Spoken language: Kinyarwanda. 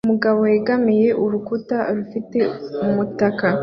Umugabo wegamiye urukuta rufite umutaka